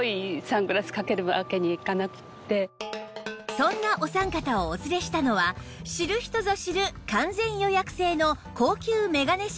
そんなお三方をお連れしたのは知る人ぞ知る完全予約制の高級メガネショップ